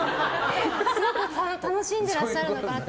すごく楽しんでらっしゃるのかなって。